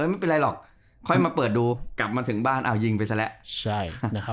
ไม่เป็นไรหรอกค่อยมาเปิดดูกลับมาถึงบ้านอ่ะยิงไปซะแล้ว